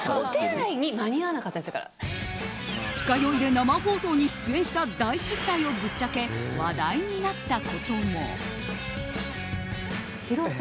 二日酔いで生放送に出演した大失態をぶっちゃけ話題になったことも。